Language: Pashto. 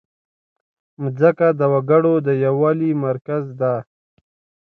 مځکه د وګړو د یووالي مرکز ده.